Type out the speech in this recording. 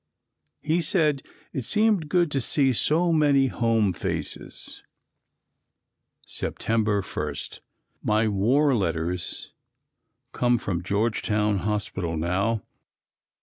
He said it seemed good to see so many home faces. September 1. My war letters come from Georgetown Hospital now.